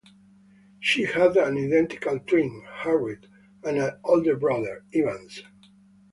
She had an identical twin, Harriet, and an older brother, Evans.